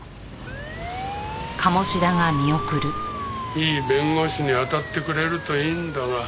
いい弁護士に当たってくれるといいんだが。